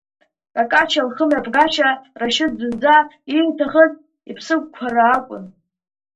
Какашьа лхымҩаԥгашьа Рашьыҭ зынӡа ииҭахыз, иԥсықәара акәын.